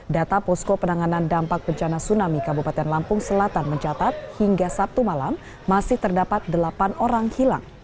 data posko penanganan dampak bencana tsunami kabupaten lampung selatan mencatat hingga sabtu malam masih terdapat delapan orang hilang